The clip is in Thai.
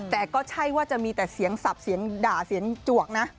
แต่ก็ใช่ว่าจะมีแต่เสียงสับเสียงด่าเสียงจวกนะ